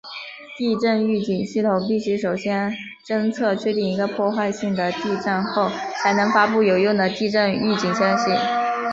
地震预警系统必须首先侦测确定一个破坏性的地震后才能发布有用的地震预警信息。